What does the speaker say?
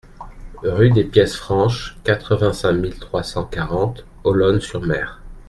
Rue des Pièces Franches, quatre-vingt-cinq mille trois cent quarante Olonne-sur-Mer